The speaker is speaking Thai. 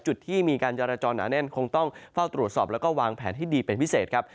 จุดที่มีการจราจรหนาแน่นคงต้องเฝ้าตรวจสอบแล้วก็วางแผนให้ดีเป็นพิเศษครับ